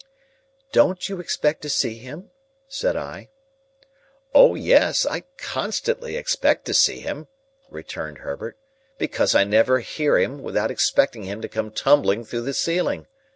"Don't you expect to see him?" said I. "O yes, I constantly expect to see him," returned Herbert, "because I never hear him, without expecting him to come tumbling through the ceiling.